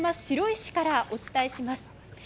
白石からお伝えします。